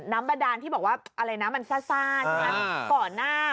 น้ำบะดาลที่บอกว่านั้นซ้านั้นก่อนหน้า